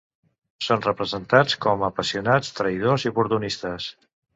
Són representats com apassionats, traïdors i oportunistes.